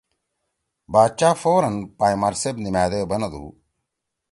باچا فوراً پائں مار صیب نیِمأدے بنَدُو: